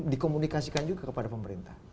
dikomunikasikan juga kepada pemerintah